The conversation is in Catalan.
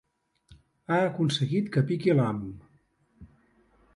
Ha aconseguit que piqui l'ham.